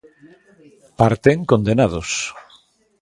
Parten condenados.